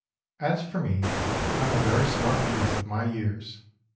] "As for me, I am a very smart youth of my years.